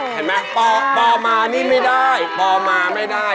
เห็นไหมปอมานี่ไม่ได้ปอมาไม่ได้